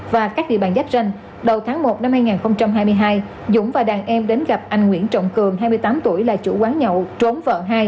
và các địa bàn giáp ranh đầu tháng một năm hai nghìn hai mươi hai dũng và đàn em đến gặp anh nguyễn trọng cường hai mươi tám tuổi là chủ quán nhậu trốn vợ hai